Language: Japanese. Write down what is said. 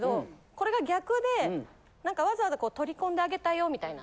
これが逆で何かわざわざ取り込んであげたよみたいな。